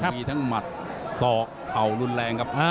มีทั้งหมัดศอกเข่ารุนแรงครับ